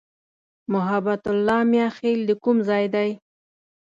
محبت الله "میاخېل" د کوم ځای دی؟